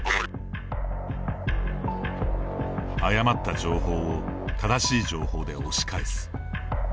誤った情報を正しい情報で押し返す。